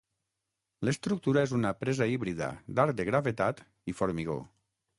L'estructura és una presa híbrida d'arc de gravetat i formigó.